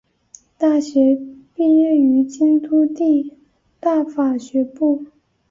大学毕业于京都帝大法学部。